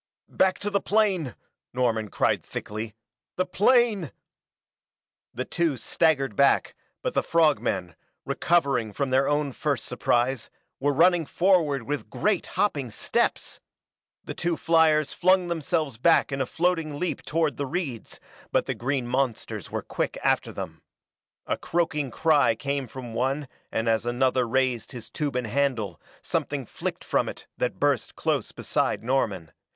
_" "Back to the plane!" Norman cried thickly. "The plane " The two staggered back, but the frog men, recovering from their own first surprise, were running forward with great hopping steps! The two fliers flung themselves back in a floating leap toward the reeds, but the green monsters were quick after them. A croaking cry came from one and as another raised his tube and handle, something flicked from it that burst close beside Norman.